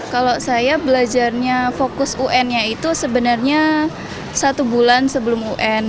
kalau saya belajarnya fokus un nya itu sebenarnya satu bulan sebelum un